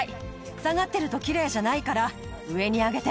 下がってると奇麗じゃないから上に上げて！